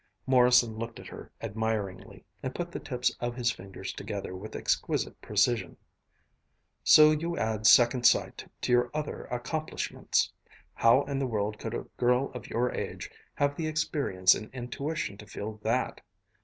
Morrison looked at her admiringly, and put the tips of his fingers together with exquisite precision. "So you add second sight to your other accomplishments! How in the world could a girl of your age have the experience and intuition to feel that?